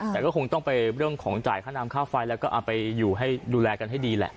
แต่ก็คงต้องไปเรื่องของจ่ายค่าน้ำค่าไฟแล้วก็เอาไปอยู่ให้ดูแลกันให้ดีแหละ